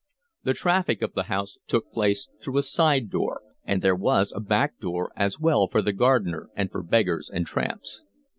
The traffic of the house took place through a side door, and there was a back door as well for the gardener and for beggars and tramps.